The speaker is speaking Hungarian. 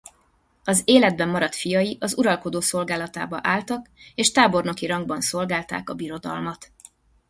Az életben maradt fiai az uralkodó szolgálatába álltak és tábornoki rangban szolgálták a birodalmat.